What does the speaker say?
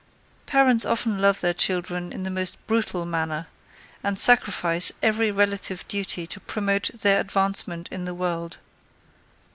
Parents often love their children in the most brutal manner, and sacrifice every relative duty to promote their advancement in the world.